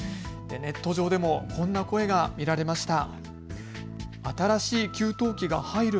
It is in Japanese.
ネット上でもこんな声が見られました。